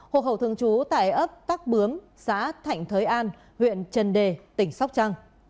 hộ khẩu thường trú tại ấp tắc bướm xã thạnh thới an huyện trần đề tỉnh sóc trăng